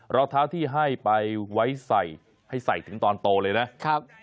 รองเท้าที่ให้ไปไว้ใส่ให้ใส่ถึงตอนโตเลยนะครับ